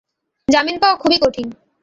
জামিন পাওয়া খুবই কঠিন।